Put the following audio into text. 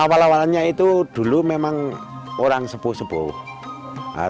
awal awalnya itu dulu memang orang sebuah sebuah